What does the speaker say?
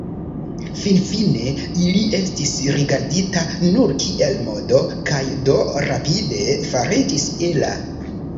Finfine, ili estis rigardita nur kiel modo kaj do rapide fariĝis ela.